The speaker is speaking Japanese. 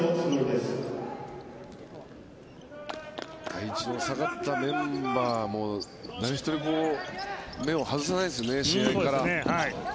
第一の下がったメンバーも誰一人、目を外さないですね試合から。